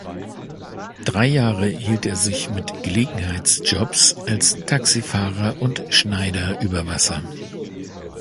Drei Jahre hielt er sich mit Gelegenheitsjobs als Taxifahrer und Schneider über Wasser.